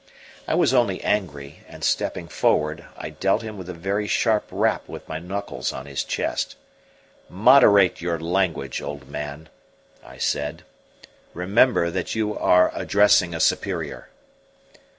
I was only angry, and stepping forward, I dealt him a very sharp rap with my knuckles on his chest. "Moderate your language, old man," I said; "remember that you are addressing a superior."